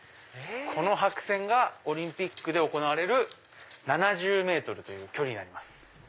この白線がオリンピックで行われる７０ｍという距離になります。